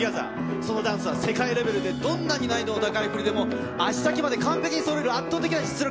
そのダンスは世界レベルで、どんなに難易度の高い振りでも足先まで完璧にそろえる圧倒的な実力。